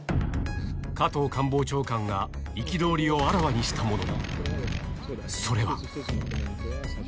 加藤官房長官が憤りをあらわにしたもの、それは。